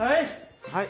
はい。